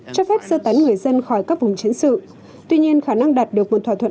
cho phép sơ tán người dân khỏi các vùng chiến sự tuy nhiên khả năng đạt được một thỏa thuận